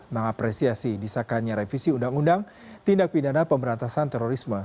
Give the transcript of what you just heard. mengapresiasi disahkannya revisi undang undang tindak pidana pemberantasan terorisme